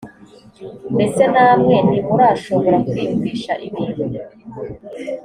mbese namwe ntimurashobora kwiyumvisha ibintu